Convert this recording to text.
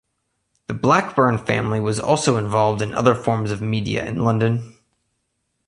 The Blackburn family was also involved in other forms of media in London.